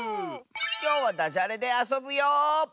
きょうはダジャレであそぶよ！